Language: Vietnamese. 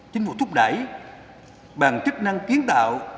chính phủ thúc đẩy bằng chức năng kiến tạo